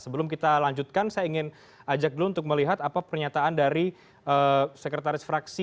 sebelum kita lanjutkan saya ingin ajak dulu untuk melihat apa pernyataan dari sekretaris fraksi